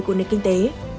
của nền kinh tế